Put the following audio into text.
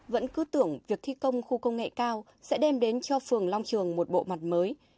vẫn cứ tưởng việc thi công khu công nghệ cao sẽ đem đến cho phường long trường một bộ mặt mới